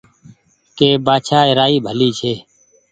ڪي بآڇآ رآئي ڀلي ڇي